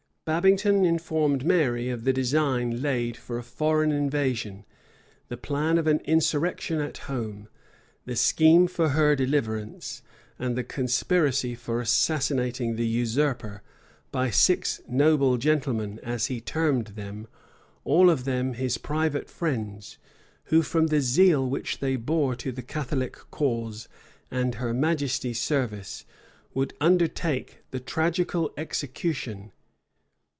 Babington informed Mary of the design laid for a foreign invasion, the plan of an insurrection at home, the scheme for her deliverance, and the conspiracy for assassinating the usurper, by six noble gentlemen, as he termed them, all of them his private friends; who, from the zeal which they bore to the Catholic cause and her majesty's service, would undertake the "tragical execution."